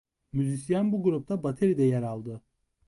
Müzisyen bu grupta bateride yer aldı.